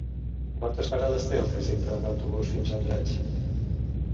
Quantes parades té el trajecte en autobús fins a Andratx?